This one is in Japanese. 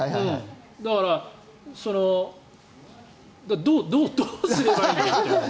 だからどうすればいいの？って。